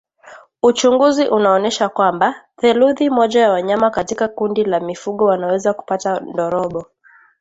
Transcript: Uchunguzi unaonesha kwamba theluthi moja ya wanyama katika kundi la mifugo wanaweza kupata ndorobo